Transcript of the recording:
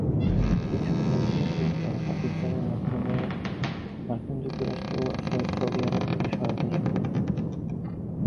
কিছু মুজাহিদ দল পাকিস্তানের মাধ্যমে মার্কিন যুক্তরাষ্ট্র ও সৌদি আরব থেকে সহায়তা লাভ করে।